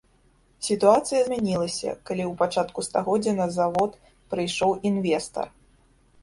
Сітуацыя змянілася, калі ў пачатку стагоддзя на завод прыйшоў інвестар.